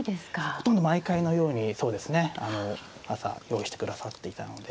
ほとんど毎回のようにそうですねあの朝用意してくださっていたので。